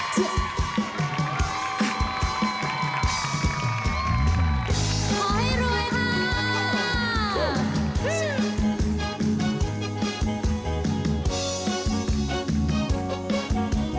ขอให้รวยค่ะ